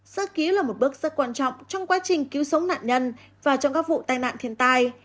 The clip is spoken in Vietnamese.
sát ký là một bước rất quan trọng trong quá trình cứu sống nạn nhân và trong các vụ tai nạn thiên tai